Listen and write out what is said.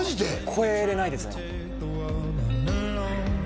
超えれないですね